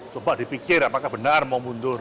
coba dipikir apakah benar mau mundur